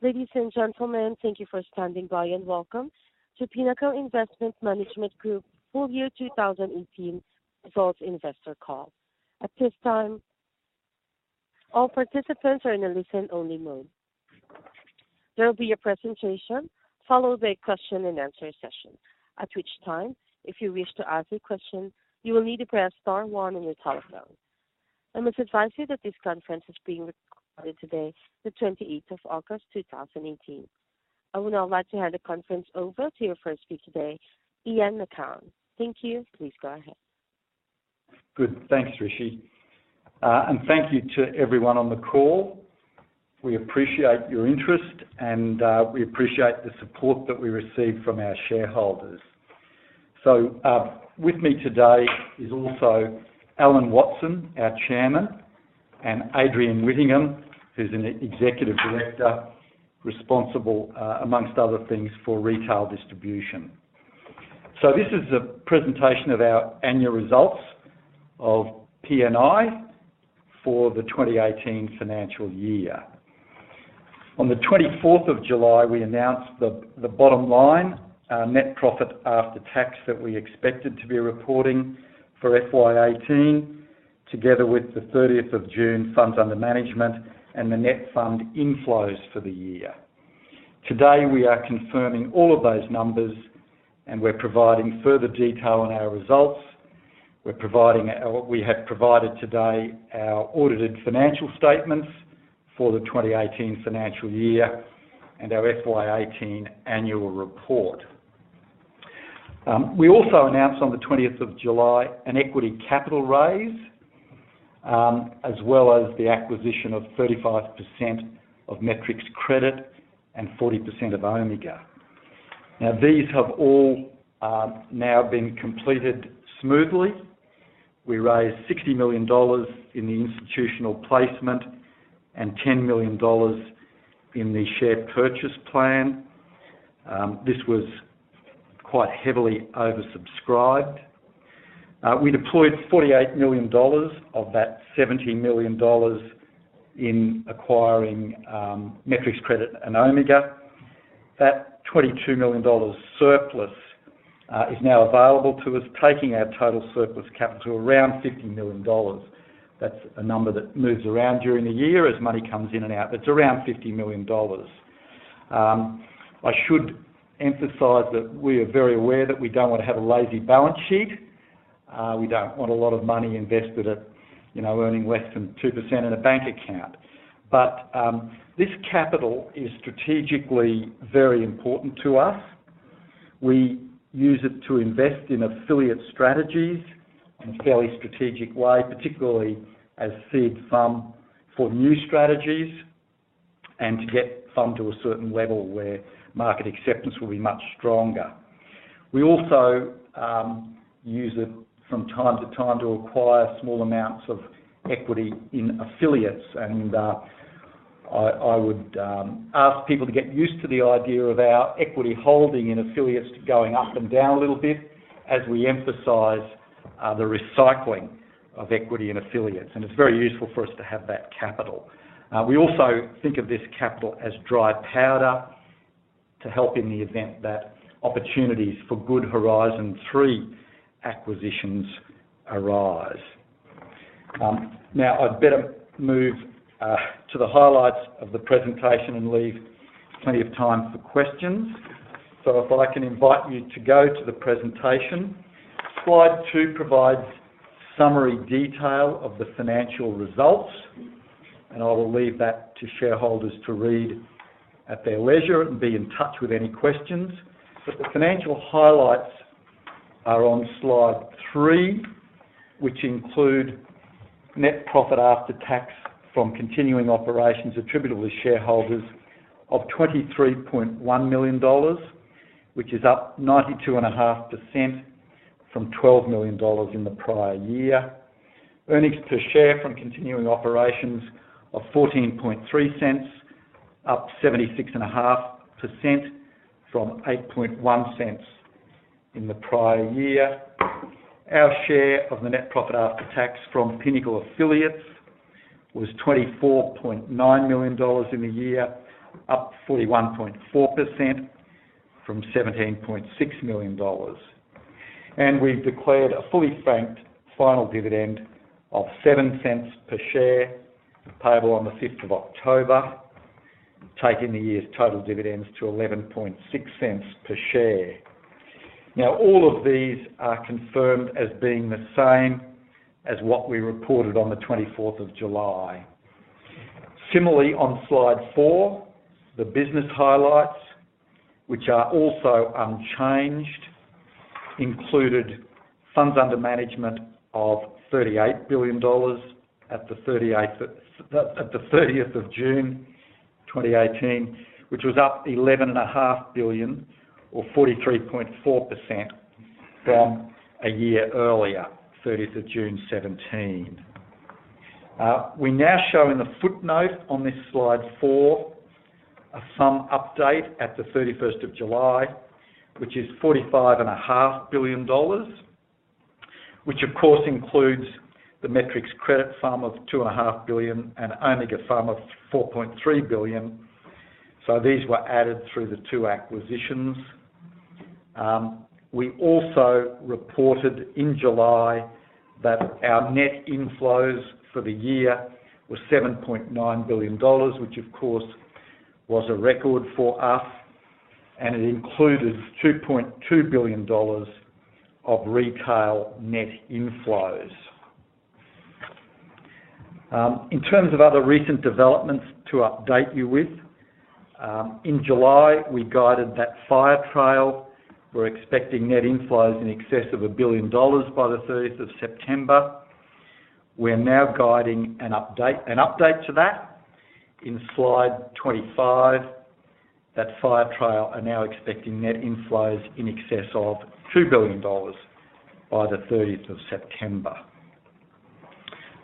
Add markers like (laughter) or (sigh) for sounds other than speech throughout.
Ladies and gentlemen, thank you for standing by, and welcome to Pinnacle Investment Management Group full year 2018 results investor call. At this time, all participants are in a listen-only mode. There will be a presentation, followed by a question and answer session. At which time, if you wish to ask a question, you will need to press star one on your telephone. I must advise you that this conference is being recorded today, the 28th of August, 2018. I would now like to hand the conference over to your first speaker today, Ian Macoun. Thank you. Please go ahead. Thanks, Rishi. Thank you to everyone on the call. We appreciate your interest and we appreciate the support that we receive from our shareholders. With me today is also Alan Watson, our Chairman, and Adrian Whittingham, who's an Executive Director responsible amongst other things for retail distribution. This is a presentation of our annual results of PNI for the 2018 financial year. On the 24th of July, we announced the bottom line, our net profit after tax that we expected to be reporting for FY 2018, together with the 30th of June funds under management and the net fund inflows for the year. Today, we are confirming all of those numbers and we're providing further detail on our results. We have provided today our audited financial statements for the 2018 financial year and our FY 2018 annual report. We also announced on the 20th of July an equity capital raise, as well as the acquisition of 35% of Metrics Credit and 40% of Omega. These have all now been completed smoothly. We raised 60 million dollars in the institutional placement and 10 million dollars in the share purchase plan. This was quite heavily oversubscribed. We deployed 48 million dollars of that 70 million dollars in acquiring Metrics Credit and Omega. That 22 million dollars surplus is now available to us, taking our total surplus capital around 50 million dollars. That's a number that moves around during the year as money comes in and out, but it's around 50 million dollars. I should emphasize that we are very aware that we don't want to have a lazy balance sheet. We don't want a lot of money invested at earning less than 2% in a bank account. This capital is strategically very important to us. We use it to invest in affiliate strategies in a fairly strategic way, particularly as seed some for new strategies and to get some to a certain level where market acceptance will be much stronger. We also use it from time to time to acquire small amounts of equity in affiliates. I would ask people to get used to the idea of our equity holding in affiliates going up and down a little bit as we emphasize the recycling of equity in affiliates. It's very useful for us to have that capital. We also think of this capital as dry powder to help in the event that opportunities for good Horizon 3 acquisitions arise. I'd better move to the highlights of the presentation and leave plenty of time for questions. If I can invite you to go to the presentation. Slide two provides summary detail of the financial results. I will leave that to shareholders to read at their leisure and be in touch with any questions. The financial highlights are on slide three, which include net profit after tax from continuing operations attributable to shareholders of 23.1 million dollars, which is up 92.5% from 12 million dollars in the prior year. Earnings per share from continuing operations of 0.143, up 76.5% from 0.081 in the prior year. Our share of the net profit after tax from Pinnacle affiliates was 24.9 million dollars in the year, up 41.4% from 17.6 million dollars. We've declared a fully franked final dividend of 0.07 per share, payable on the 5th of October, taking the year's total dividends to 0.116 per share. All of these are confirmed as being the same as what we reported on the 24th of July. Similarly, on slide four, the business highlights, which are also unchanged, included funds under management of 38 billion dollars at the 30th of June 2018, which was up 11.5 billion or 43.4% from a year earlier, 30th of June 2017. We now show in the footnote on this slide four a FUM update at the 31st of July, which is 45.5 billion dollars. Which, of course, includes the Metrics Credit fund of 2.5 billion and Omega fund of 4.3 billion. These were added through the two acquisitions. We also reported in July that our net inflows for the year were US$7.9 billion, which, of course, was a record for us, and it included US$2.2 billion of retail net inflows. In terms of other recent developments to update you with, in July, we guided that Firetrail, we're expecting net inflows in excess of 1 billion dollars by the 30th of September. We're now guiding an update to that in slide 25, that Firetrail are now expecting net inflows in excess of US$2 billion by the 30th of September.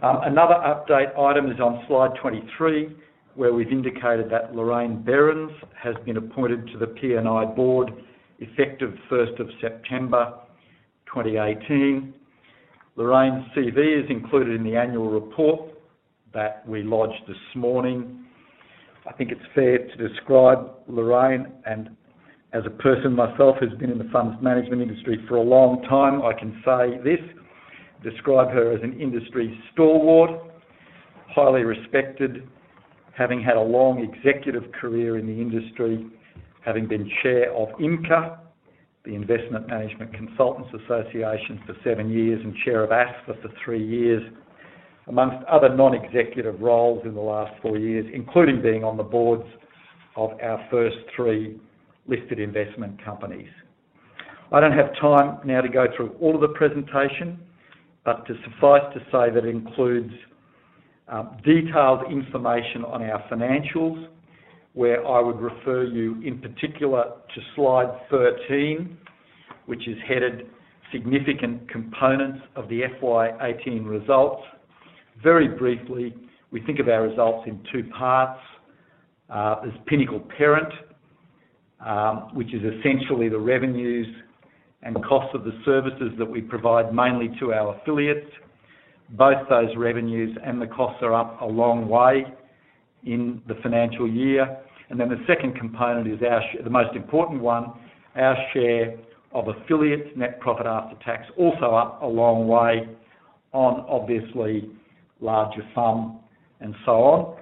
Another update item is on slide 23, where we've indicated that Lorraine Berends has been appointed to the PNI board effective 1st of September 2018. Lorraine's CV is included in the annual report that we lodged this morning. I think it's fair to describe Lorraine and as a person myself who's been in the funds management industry for a long time, I can say this, describe her as an industry stalwart. Highly respected, having had a long executive career in the industry, having been chair of IMCA, the Investment Management Consultants Association, for seven years and chair of ASFA, the Association of Superannuation Funds of Australia, for three years, amongst other non-executive roles in the last four years, including being on the boards of our first three listed investment companies. I don't have time now to go through all of the presentation, suffice to say that it includes detailed information on our financials, where I would refer you in particular to slide 13, which is headed Significant Components of the FY 2018 Results. Very briefly, we think of our results in two parts. There's Pinnacle Parent, which is essentially the revenues and costs of the services that we provide mainly to our affiliates. Both those revenues and the costs are up a long way in the financial year. The second component is the most important one, our share of affiliates' net profit after tax, also up a long way on obviously larger sum and so on.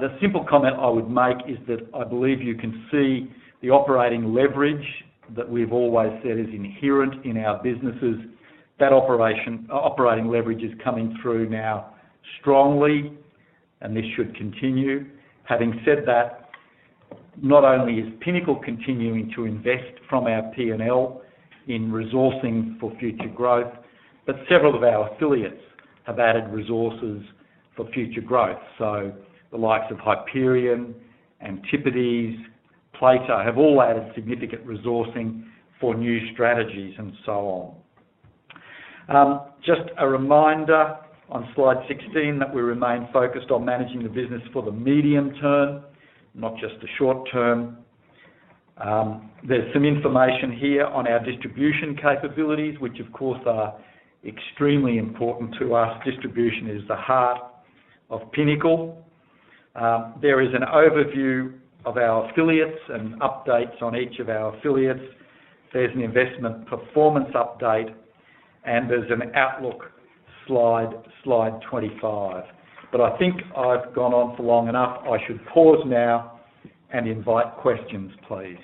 The simple comment I would make is that I believe you can see the operating leverage that we've always said is inherent in our businesses. That operating leverage is coming through now strongly and this should continue. Having said that, not only is Pinnacle continuing to invest from our P&L in resourcing for future growth, but several of our affiliates have added resources for future growth. The likes of Hyperion, Antipodes, Plato, have all added significant resourcing for new strategies and so on. Just a reminder on slide 16 that we remain focused on managing the business for the medium term, not just the short term. There's some information here on our distribution capabilities, which of course, are extremely important to us. Distribution is the heart of Pinnacle. There is an overview of our affiliates and updates on each of our affiliates. There's an investment performance update, and there's an outlook slide 25. I think I've gone on for long enough. I should pause now and invite questions, please.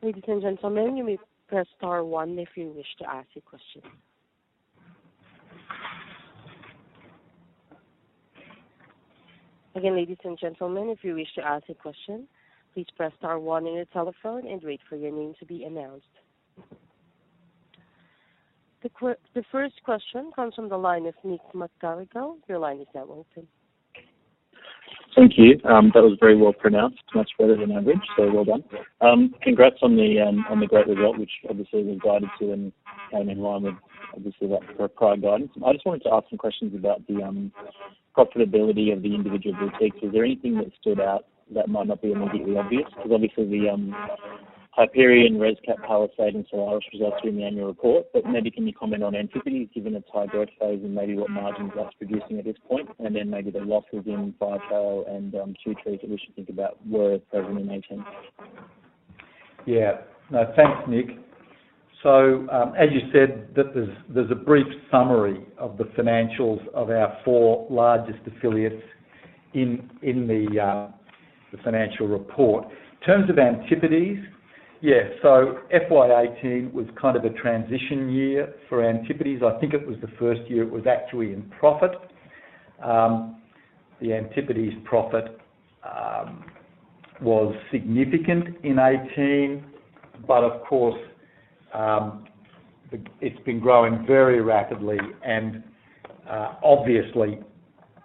Ladies and gentlemen, you may press star one if you wish to ask a question. Again, ladies and gentlemen, if you wish to ask a question, please press star one on your telephone and wait for your name to be announced. The first question comes from the line of Nick McGarrigle. Your line is now open. Thank you. That was very well pronounced, much better than average, so well done. Congrats on the great result, which obviously was guided to and came in line with obviously that prior guidance. I just wanted to ask some questions about the profitability of the individual boutiques. Is there anything that stood out that might not be immediately obvious? Because obviously the Hyperion, ResCap, Palisade, and Solaris results are in the annual report. But maybe can you comment on Antipodes, given its high growth phase and maybe what margins it's producing at this point? Then maybe the losses in Firetrail and Two Trees that we should think about where those were made. No, thanks, Nick. As you said, there's a brief summary of the financials of our four largest affiliates in the financial report. In terms of Antipodes, FY 2018 was kind of a transition year for Antipodes. I think it was the first year it was actually in profit. The Antipodes profit was significant in 2018, but of course, it's been growing very rapidly and obviously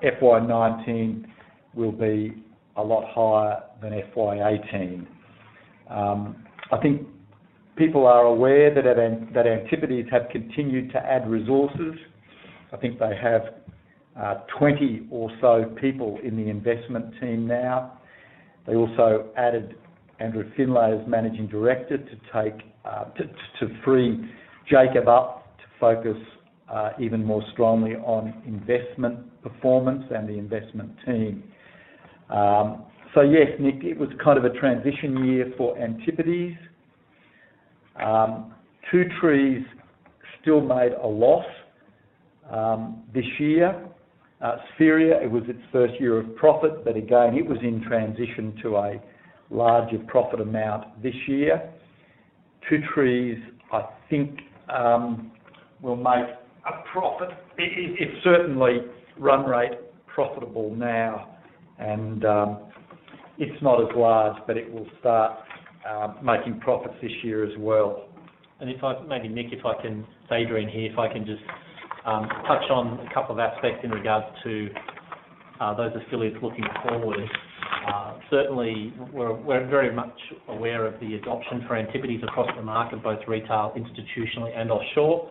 FY 2019 will be a lot higher than FY 2018. I think people are aware that Antipodes have continued to add resources. I think they have 20 or so people in the investment team now. They also added Andrew Findlay as managing director to free Jacob up to focus even more strongly on investment performance and the investment team. Yes, Nick, it was a transition year for Antipodes. Two Trees still made a loss this year. Spheria, it was its first year of profit. Again, it was in transition to a larger profit amount this year. Two Trees, I think, will make a profit. It's certainly run rate profitable now. It's not as large, but it will start making profits this year as well. If I, maybe Nick, Adrian here, if I can just touch on a couple of aspects in regards to those affiliates looking forward. Certainly, we're very much aware of the adoption for Antipodes across the market, both retail, institutionally and offshore.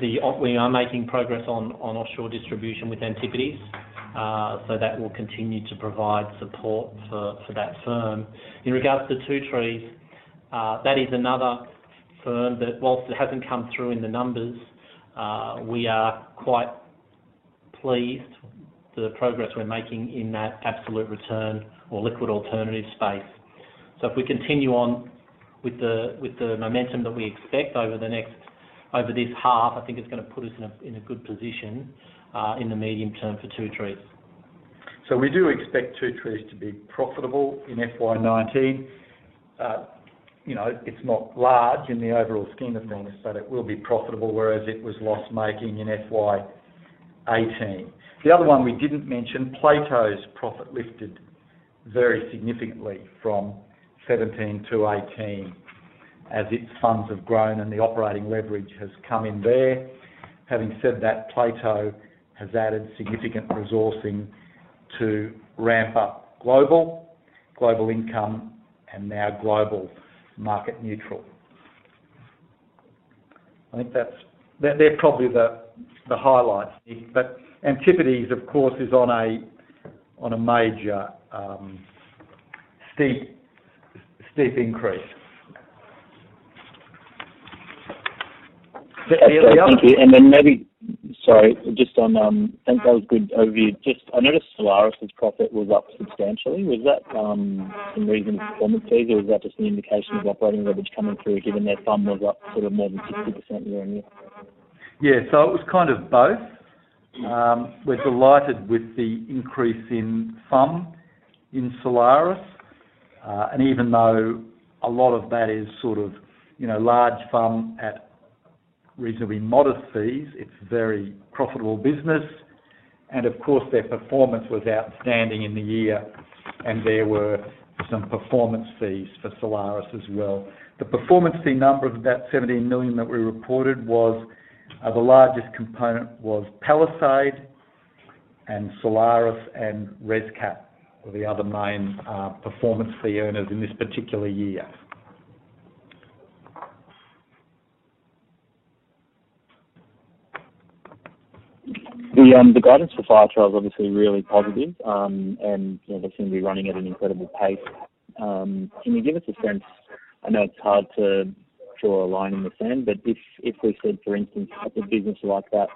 We are making progress on offshore distribution with Antipodes. That will continue to provide support for that firm. In regards to Two Trees, that is another firm that whilst it hasn't come through in the numbers, we are quite pleased with the progress we're making in that absolute return or liquid alternative space. If we continue on with the momentum that we expect over this half, I think it's going to put us in a good position in the medium term for Two Trees. We do expect Two Trees to be profitable in FY 2019. It's not large in the overall scheme of things, but it will be profitable, whereas it was loss-making in FY 2018. The other one we didn't mention, Plato's profit lifted very significantly from 2017 to 2018 as its funds have grown and the operating leverage has come in there. Having said that, Plato has added significant resourcing to ramp up global income and now global market neutral. I think they're probably the highlights, Nick. Antipodes, of course, is on a major steep increase. Is that clear enough? Okay, thank you. Maybe, sorry, just on I think that was good overview. Just, I noticed Solaris's profit was up substantially. Was that some reason performance fees or was that just an indication of operating leverage coming through given their FUM was up more than 50% year-over-year? It was both. We're delighted with the increase in FUM in Solaris. Even though a lot of that is large FUM at reasonably modest fees, it's very profitable business. Their performance was outstanding in the year, and there were some performance fees for Solaris as well. The performance fee number of that 17 million that we reported, the largest component was Palisade and Solaris and ResCap were the other main performance fee earners in this particular year. The guidance for Firetrail is obviously really positive, and they seem to be running at an incredible pace. Can you give us a sense, I know it's hard to draw a line in the sand, but if we said, for instance, if a business like that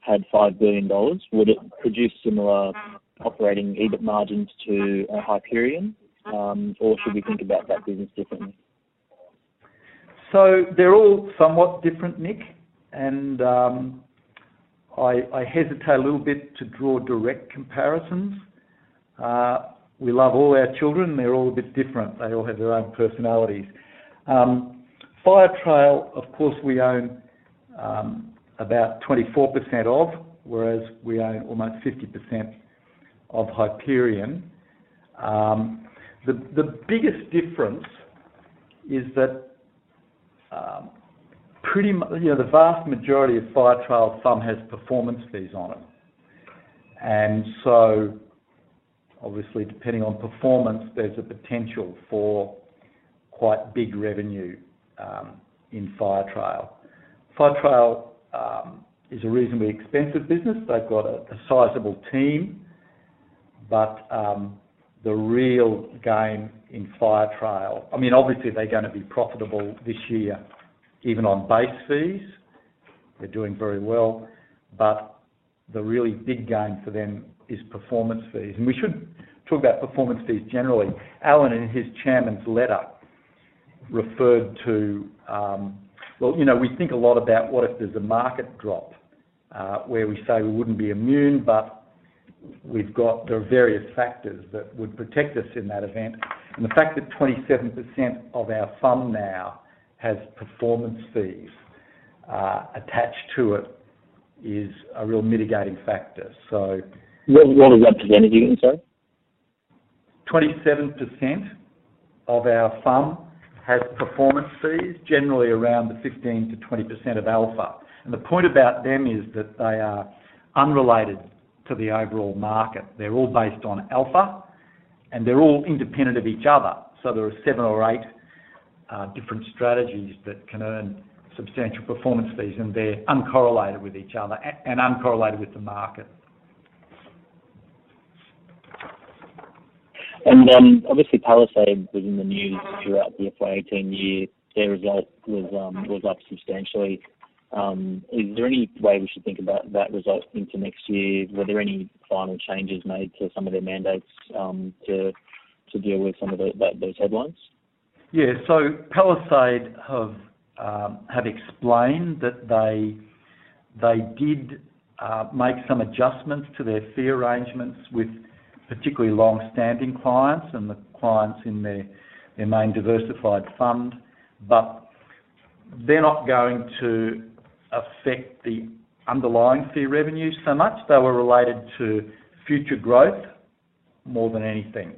had 5 billion dollars, would it produce similar operating EBIT margins to a Hyperion? Should we think about that business differently? They're all somewhat different, Nick. I hesitate a little bit to draw direct comparisons. We love all our children. They're all a bit different. They all have their own personalities. Firetrail, of course, we own about 24% of, whereas we own almost 50% of Hyperion. The biggest difference is that the vast majority of Firetrail FUM has performance fees on it. Obviously, depending on performance, there's a potential for quite big revenue in Firetrail. Firetrail is a reasonably expensive business. They've got a sizable team. The real gain in Firetrail Obviously they're going to be profitable this year, even on base fees. They're doing very well. The really big gain for them is performance fees. We should talk about performance fees generally. Alan, in his chairman's letter, referred to We think a lot about what if there's a market drop, where we say we wouldn't be immune, but there are various factors that would protect us in that event. The fact that 27% of our FUM now has performance fees attached to it is a real mitigating factor. What has represented again, sorry? 27% of our FUM Has performance fees generally around the 15%-20% of alpha. The point about them is that they are unrelated to the overall market. They're all based on alpha, and they're all independent of each other. There are seven or eight different strategies that can earn substantial performance fees, and they're uncorrelated with each other and uncorrelated with the market. Obviously Palisade was in the news throughout the FY 2018 year. Their result was up substantially. Is there any way we should think about that result into next year? Were there any final changes made to some of their mandates to deal with some of those headlines? Yeah. Palisade have explained that they did make some adjustments to their fee arrangements with particularly longstanding clients and the clients in their main diversified fund, but they are not going to affect the underlying fee revenue so much. They were related to future growth more than anything.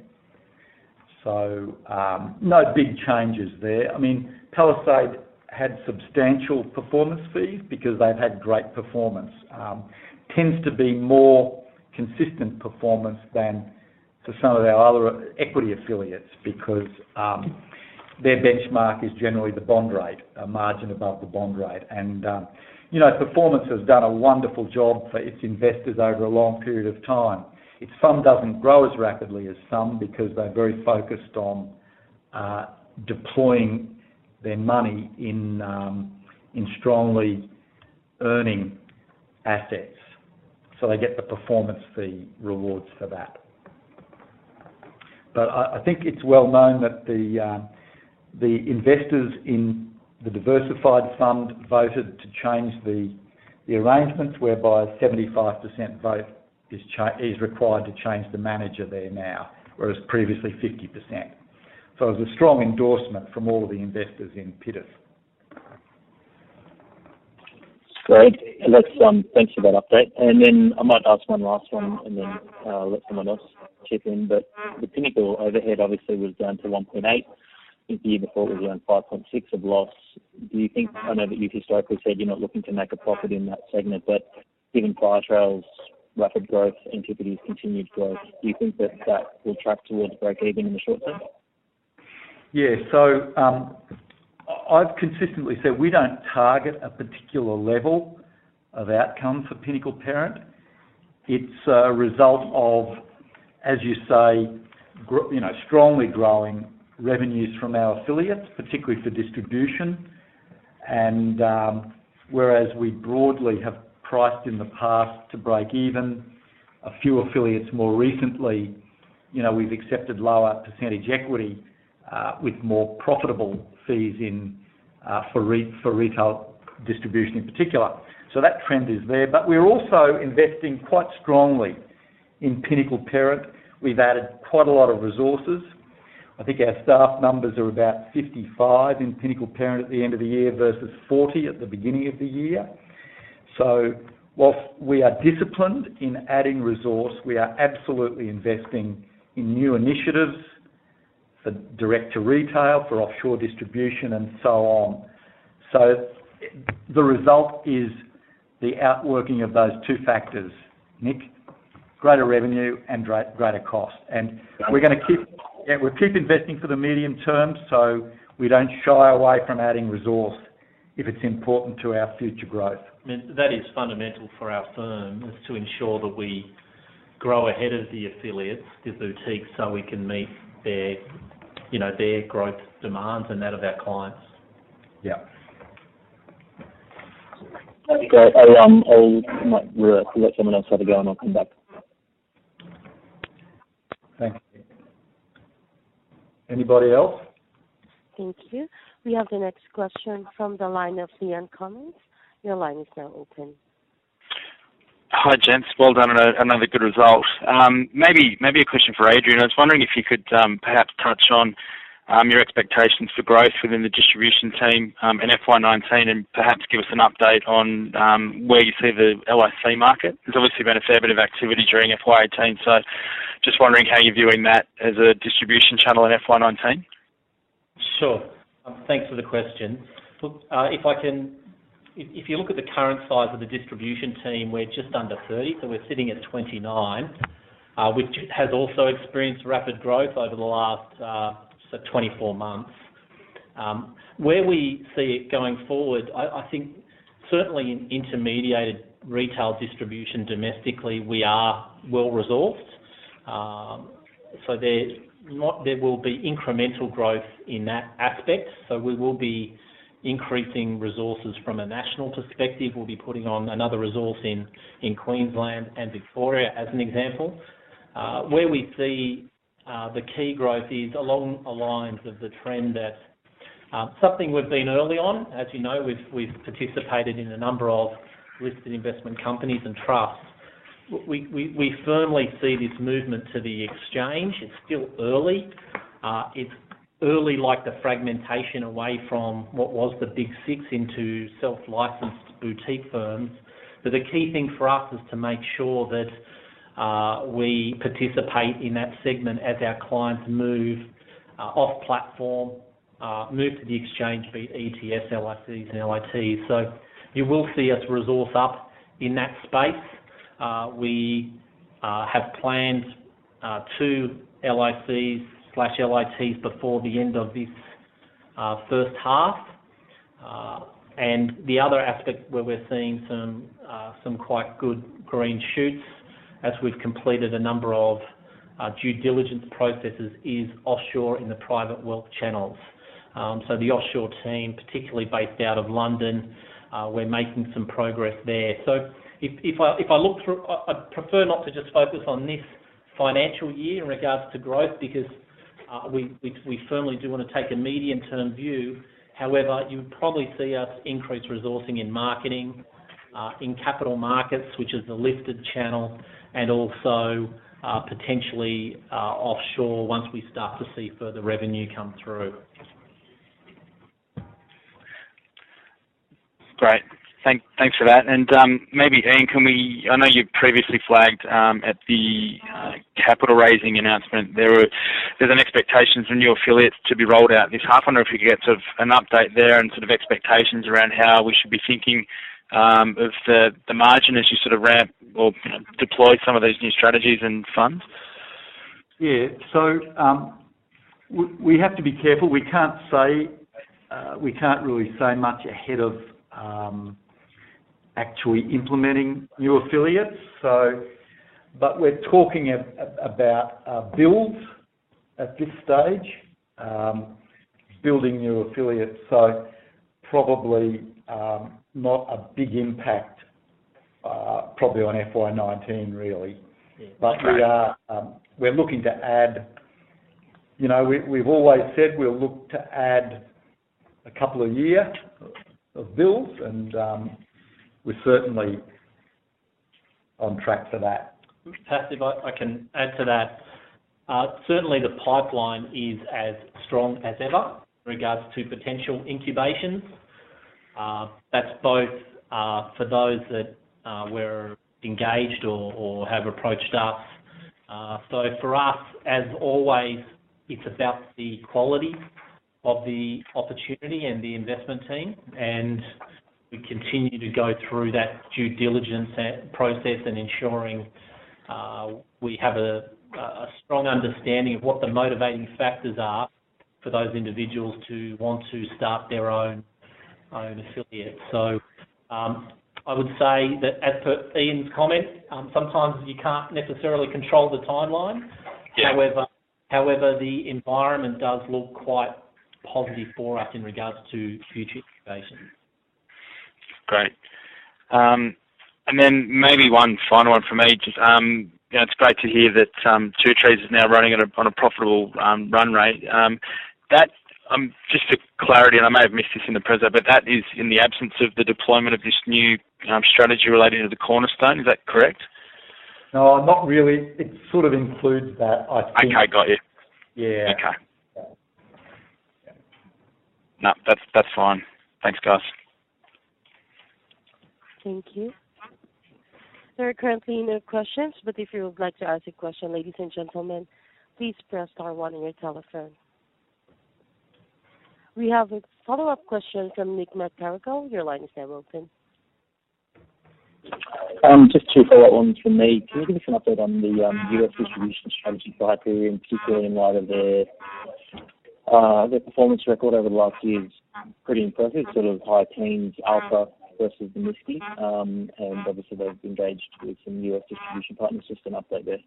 No big changes there. Palisade had substantial performance fees because they have had great performance. Tends to be more consistent performance than for some of our other equity affiliates because their benchmark is generally the bond rate, a margin above the bond rate. And Palisade has done a wonderful job for its investors over a long period of time. Its fund does not grow as rapidly as some because they are very focused on deploying their money in strongly earning assets, so they get the performance fee rewards for that. I think it is well-known that the investors in the diversified fund voted to change the arrangements whereby a 75% vote is required to change the manager there now, whereas previously 50%. It was a strong endorsement from all of the investors in PITF. Great. Thanks for that update. I might ask one last one and then let someone else chip in. The Pinnacle overhead obviously was down to 1.8. I think the year before it was around 5.6 of loss. I know that you have historically said you are not looking to make a profit in that segment, but given Firetrail's rapid growth, Antipodes' continued growth, do you think that that will track towards breakeven in the short term? Yeah. I have consistently said we do not target a particular level of outcome for Pinnacle Parent. It is a result of, as you say, strongly growing revenues from our affiliates, particularly for distribution. Whereas we broadly have priced in the past to break even, a few affiliates more recently, we have accepted lower percentage equity with more profitable fees for retail distribution in particular. That trend is there. We are also investing quite strongly in Pinnacle Parent. We have added quite a lot of resources. I think our staff numbers are about 55 in Pinnacle Parent at the end of the year versus 40 at the beginning of the year. Whilst we are disciplined in adding resource, we are absolutely investing in new initiatives for direct to retail, for offshore distribution and so on. The result is the outworking of those two factors, Nick, greater revenue and greater cost. We're going to Got it We'll keep investing for the medium term. We don't shy away from adding resource if it's important to our future growth. That is fundamental for our firm, is to ensure that we grow ahead of the affiliates, the boutiques. We can meet their growth demands and that of our clients. Yeah. Okay. We'll let someone else have a go, and I'll come back. Thank you. Anybody else? Thank you. We have the next question from the line of Liam Cummins. Your line is now open. Hi, gents. Well done on another good result. Maybe a question for Adrian. I was wondering if you could perhaps touch on your expectations for growth within the distribution team in FY 2019 and perhaps give us an update on where you see the LIC market. There's obviously been a fair bit of activity during FY 2018, just wondering how you're viewing that as a distribution channel in FY 2019. Sure. Thanks for the question. If you look at the current size of the distribution team, we're just under 30, so we're sitting at 29, which has also experienced rapid growth over the last 24 months. Where we see it going forward, I think certainly in intermediated retail distribution domestically, we are well-resourced. There will be incremental growth in that aspect. We will be increasing resources from a national perspective. We'll be putting on another resource in Queensland and Victoria, as an example. Where we see the key growth is along the lines of the trend that something we've been early on. As you know, we've participated in a number of listed investment companies and trusts. We firmly see this movement to the exchange. It's still early. It's early, like the fragmentation away from what was the Big Six into self-licensed boutique firms. The key thing for us is to make sure that we participate in that segment as our clients move off-platform, move to the exchange, be it ETFs, LICs and LITs. You will see us resource up in that space. We have planned two LICs/LITs before the end of this first half. The other aspect where we're seeing some quite good green shoots, as we've completed a number of due diligence processes, is offshore in the private wealth channels. The offshore team, particularly based out of London, we're making some progress there. If I look through, I'd prefer not to just focus on this financial year in regards to growth, because we firmly do want to take a medium-term view. However, you would probably see us increase resourcing in marketing, in capital markets, which is the listed channel, and also potentially offshore once we start to see further revenue come through. Great. Thanks for that. Maybe, Ian, I know you previously flagged at the capital raising announcement, there's an expectation for new affiliates to be rolled out this half. I wonder if you could get an update there and expectations around how we should be thinking of the margin as you ramp or deploy some of these new strategies and funds. Yeah. We have to be careful. We can't really say much ahead of actually implementing new affiliates, but we're talking about builds at this stage, building new affiliates, so probably not a big impact probably on FY 2019, really. Yeah. Great. We're looking to add. We've always said we'll look to add a couple a year of builds, and we're certainly on track for that. [Plus], if I can add to that. Certainly, the pipeline is as strong as ever in regards to potential incubations. That's both for those that we're engaged or have approached us. For us, as always, it's about the quality of the opportunity and the investment team, and we continue to go through that due diligence process and ensuring we have a strong understanding of what the motivating factors are for those individuals to want to start their own affiliate. I would say that as per Ian's comment, sometimes you can't necessarily control the timeline. Yeah. However, the environment does look quite positive for us in regards to future incubation. Great. Maybe one final one from me. It is great to hear that Two Trees is now running on a profitable run rate. Just for clarity, and I may have missed this in the presentation, but that is in the absence of the deployment of this new strategy relating to the cornerstone, is that correct? No, not really. It sort of includes that, I think. Okay, got you. Yeah. Okay. No, that's fine. Thanks, guys. Thank you. There are currently no questions. If you would like to ask a question, ladies and gentlemen, please press star one on your telephone. We have a follow-up question from Nick McGarrigle. Your line is now open. Just two follow-up ones from me. Can you give us an update on the U.S. distribution strategy for Hyperion, particularly in light of their performance record over the last year? It's pretty impressive, high teens alpha versus the. (audio distortion) Obviously, they've engaged with some U.S. distribution partners. Just an update there.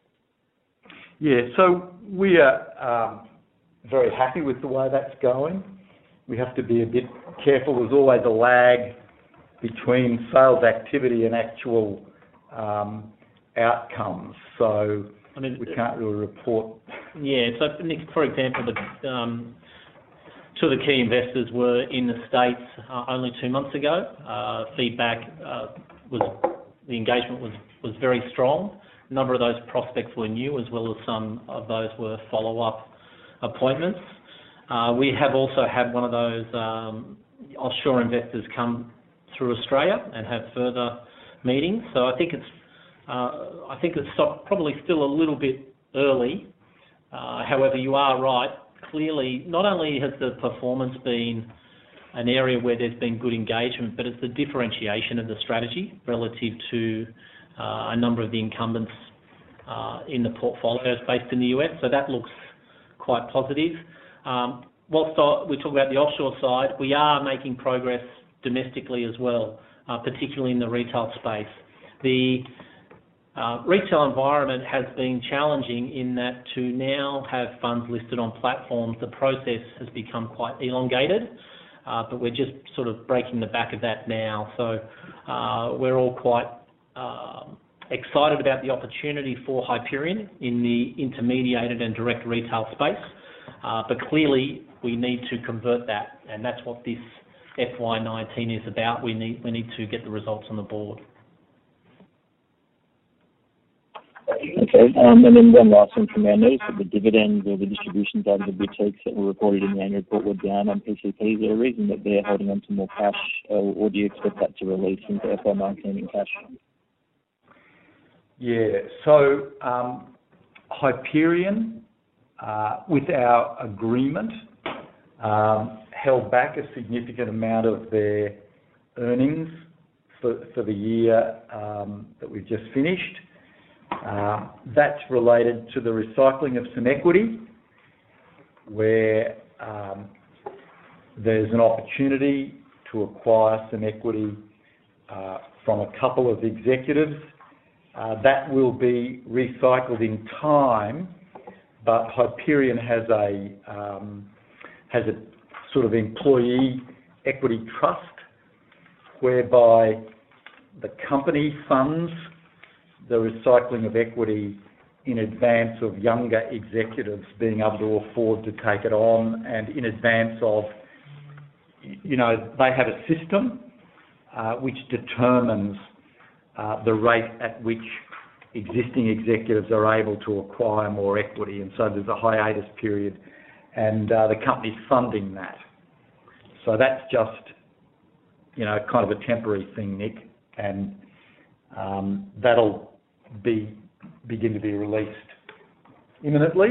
Yeah. We are very happy with the way that's going. We have to be a bit careful. There's always a lag between sales activity and actual outcomes. I mean. We can't really report. Yeah. Nick, for example, two of the key investors were in the U.S. only two months ago. Feedback, the engagement was very strong. A number of those prospects were new, as well as some of those were follow-up appointments. We have also had one of those offshore investors come through Australia and have further meetings. I think it's probably still a little bit early. However, you are right. Clearly, not only has the performance been an area where there's been good engagement, but it's the differentiation of the strategy relative to a number of the incumbents in the portfolio based in the U.S. That looks quite positive. Whilst we talk about the offshore side, we are making progress domestically as well, particularly in the retail space. The retail environment has been challenging in that to now have funds listed on platforms, the process has become quite elongated. We're just breaking the back of that now. We're all quite excited about the opportunity for Hyperion in the intermediated and direct retail space. Clearly, we need to convert that, and that's what this FY 2019 is about. We need to get the results on the board. Okay. One last one from me. I notice that the dividends or the distributions out of the boutiques that were reported in the annual report were down on PCP. Is there a reason that they're holding on to more cash, or do you expect that to release into FY 2019 in cash? Yeah. Hyperion, with our agreement, held back a significant amount of their earnings for the year that we've just finished. That's related to the recycling of some equity, where there's an opportunity to acquire some equity from a couple of executives. That will be recycled in time. Hyperion has a sort of employee equity trust whereby the company funds the recycling of equity in advance of younger executives being able to afford to take it on. They have a system which determines the rate at which existing executives are able to acquire more equity and so there's a hiatus period and the company's funding that. That's just kind of a temporary thing, Nick, and that'll begin to be released imminently.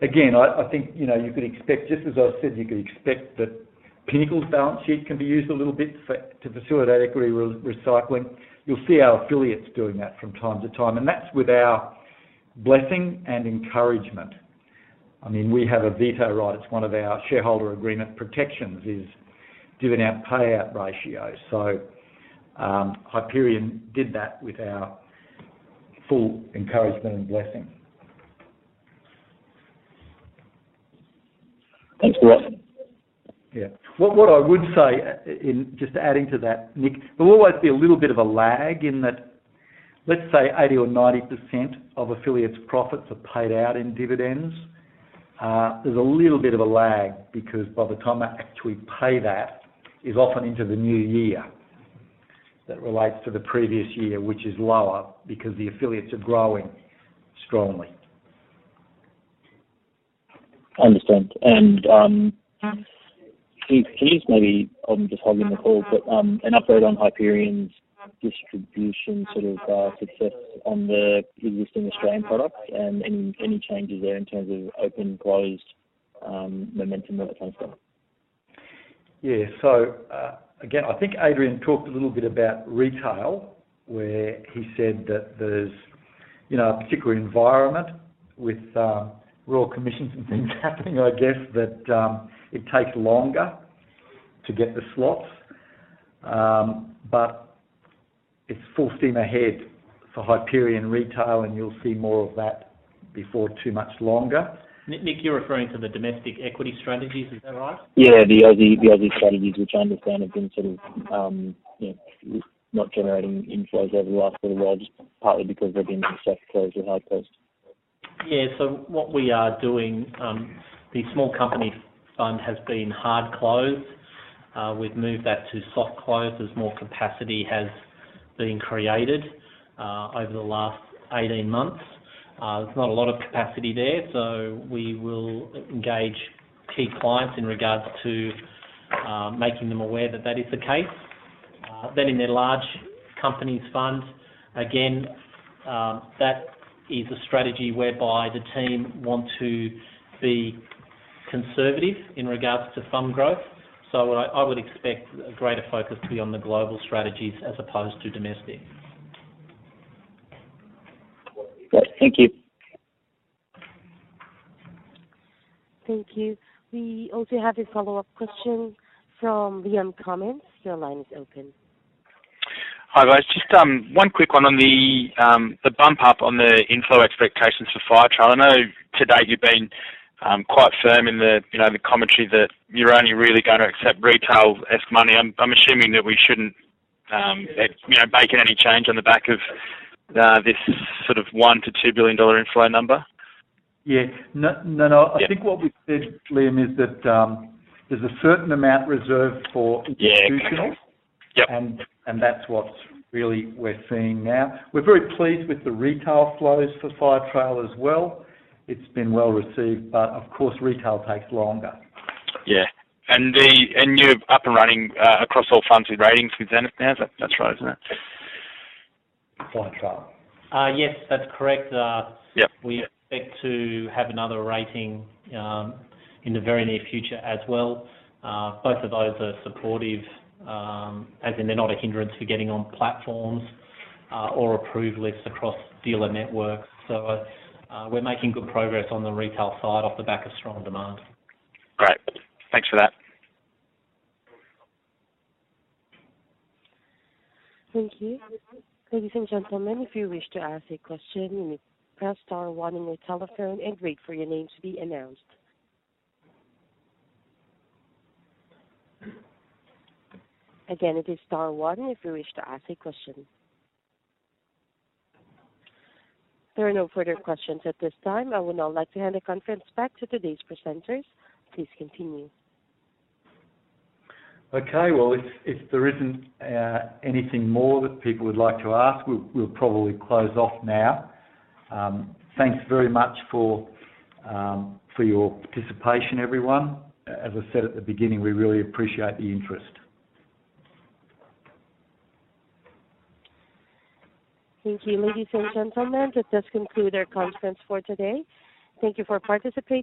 Again, I think, just as I said, you could expect that Pinnacle's balance sheet can be used a little bit to facilitate equity recycling. You'll see our affiliates doing that from time to time, and that's with our blessing and encouragement. We have a veto right. It's one of our shareholder agreement protections, is dividend payout ratios. Hyperion did that with our full encouragement and blessing. Thanks [for that]. Yeah. What I would say, just adding to that, Nick, there will always be a little bit of a lag in that, let's say 80% or 90% of affiliates' profits are paid out in dividends. There's a little bit of a lag because by the time they actually pay that, is often into the new year. That relates to the previous year, which is lower because the affiliates are growing strongly. I understand. Please, maybe I'm just hogging the call, but an update on Hyperion's distribution sort of, success on the existing Australian product and any changes there in terms of open, closed momentum, that kind of stuff? Yeah. Again, I think Adrian talked a little bit about retail where he said that there's a particular environment with Royal Commissions and things happening I guess that it takes longer to get the slots. It's full steam ahead for Hyperion Retail, and you'll see more of that before too much longer. Nick, you're referring to the domestic equity strategies, is that right? Yeah, the Aussie strategies, which I understand have been sort of not generating inflows over the last little while, just partly because they've been soft close or hard close. Yeah. What we are doing, the small company fund has been hard closed. We've moved that to soft close as more capacity has been created over the last 18 months. There's not a lot of capacity there. We will engage key clients in regards to making them aware that that is the case. In their large companies fund, again, that is a strategy whereby the team want to be conservative in regards to fund growth. I would expect a greater focus to be on the global strategies as opposed to domestic. Good. Thank you. Thank you. We also have a follow-up question from Liam Cummins. Your line is open. Hi, guys. Just one quick one on the bump up on the inflow expectations for Firetrail. I know to date you've been quite firm in the commentary that you're only really going to accept retail-esque money. I'm assuming that we shouldn't be making any change on the back of this sort of 1 billion-2 billion dollar inflow number? Yeah. No, I think what we've said, Liam, is that there's a certain amount reserved for institutional- Yeah. Correct. Yep That's what really we're seeing now. We're very pleased with the retail flows for Firetrail as well. It's been well-received, but of course, retail takes longer. Yeah. You're up and running across all funds with ratings with Zenith now, is that right? Isn't it? Firetrail. Yes, that's correct. Yep. We expect to have another rating in the very near future as well. Both of those are supportive, as in they're not a hindrance for getting on platforms or approved lists across dealer networks. We're making good progress on the retail side off the back of strong demand. Great. Thanks for that. Thank you. Ladies and gentlemen, if you wish to ask a question, you may press star one on your telephone and wait for your name to be announced. Again, it is star one if you wish to ask a question. There are no further questions at this time. I would now like to hand the conference back to today's presenters. Please continue. Okay. Well, if there isn't anything more that people would like to ask, we'll probably close off now. Thanks very much for your participation, everyone. As I said at the beginning, we really appreciate the interest. Thank you, ladies and gentlemen. That does conclude our conference for today. Thank you for participating.